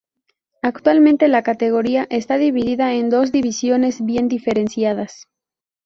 Actualmente, la categoría está dividida en dos divisiones bien diferenciadas.